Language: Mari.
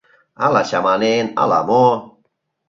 Ала чаманен, ала-мо.